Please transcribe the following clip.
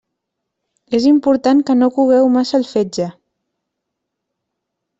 És important que no cogueu massa el fetge.